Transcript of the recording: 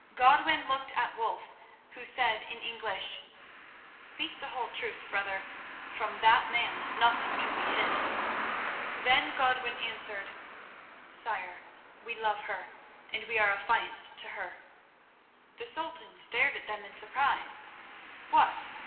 Godwin looked at Wulf, who said in English: "Speak the whole truth, brother. From that man nothing can be hid." Then Godwin answered: "Sire, we love her, and are affianced to her." The Sultan stared at them in surprise. "What!